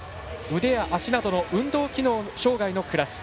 腕や足などの運動機能障がいのクラス。